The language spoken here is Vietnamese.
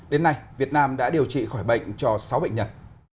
đến nay việt nam đã điều trị khỏi bệnh cho sáu bệnh nhân